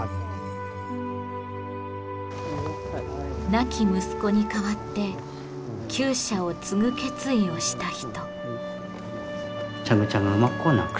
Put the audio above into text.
亡き息子に代わってきゅう舎を継ぐ決意をした人。